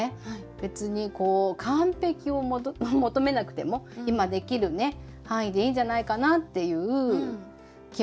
別にこう完璧を求めなくても今できるね範囲でいいんじゃないかなっていう気持ちにね。